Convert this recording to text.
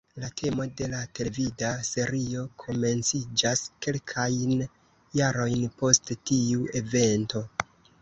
La temo de la televida serio komenciĝas kelkajn jarojn post tiu evento.